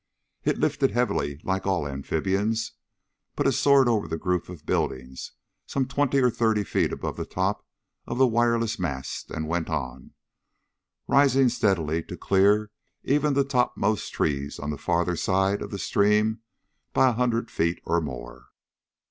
It lifted heavily, like all amphibians, but it soared over the group of buildings some twenty or thirty feet above the top of the wireless mast and went on, rising steadily, to clear even the topmost trees on the farther side of the stream by a hundred feet or more.